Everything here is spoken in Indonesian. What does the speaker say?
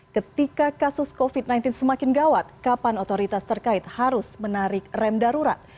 ketika kasus covid sembilan belas semakin gawat kapan otoritas terkait harus menarik rem darurat